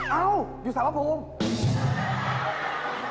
เอ้าอยู่สารพระภูมิ